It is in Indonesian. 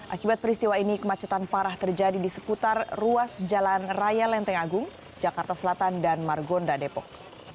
akibat peristiwa ini kemacetan parah terjadi di seputar ruas jalan raya lenteng agung jakarta selatan dan margonda depok